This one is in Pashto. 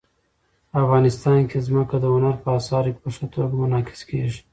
افغانستان کې ځمکه د هنر په اثار کې په ښه توګه منعکس کېږي.